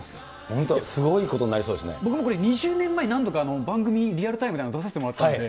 本当、すごいことになりそう僕もこれ、２０年前に何度か、番組、リアルタイムで出させてもらったので。